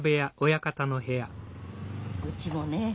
うちもね